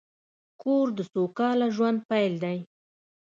کور د سوکاله ژوند پیل دی.